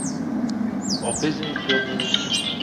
Opposing fielders were allowed to catch the cat in flight.